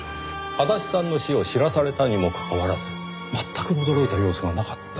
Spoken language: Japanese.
足立さんの死を知らされたにもかかわらず全く驚いた様子がなかった？